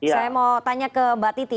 saya mau tanya ke mbak titi